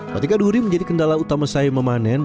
ketika duri menjadi kendala utama saya memanen